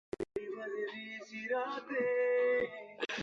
Nagada vumaʼha vada waʼa.